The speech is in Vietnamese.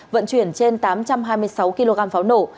vận chuyển trên tám trăm hai mươi sáu kg pháo nổ